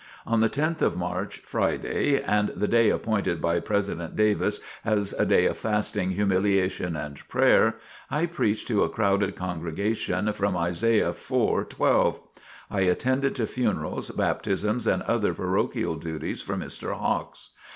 On the 10th of March, Friday and the day appointed by President Davis as a day of fasting, humiliation and prayer, I preached to a crowded congregation from Isaiah iv, 12. I attended to funerals, baptisms and other parochial duties for Mr. Hawks.